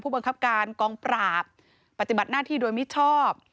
บังคับการกองปราบปฏิบัติหน้าที่โดยมิชอบ